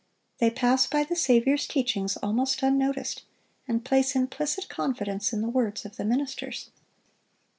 They pass by the Saviour's teachings almost unnoticed, and place implicit confidence in the words of the ministers.